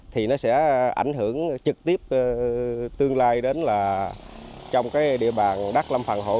thì nó sẽ ảnh hưởng trực tiếp tương lai đến là trong cái địa bàn đắc lâm phần hộ